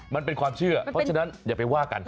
มันเป็นความเชื่อเพราะฉะนั้นอย่าไปว่ากัน